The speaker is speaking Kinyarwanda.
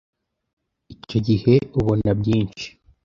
icyo gihe ubona byinshi,